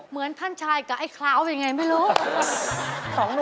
เหมือนท่านชายกับไอ้คลาวยังไงไม่รู้